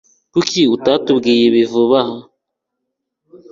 Kuki utatubwiye ibi vuba aha?